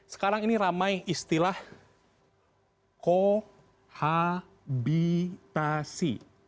sekarang ini ramai istilah kohabitasi